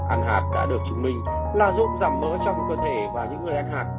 ăn hạt đã được chứng minh là dụng giảm mỡ trong cơ thể và những người ăn hạt